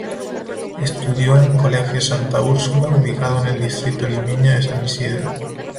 Estudió en el colegio Santa Úrsula, ubicado en el distrito limeño de San Isidro.